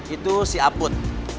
itu si aput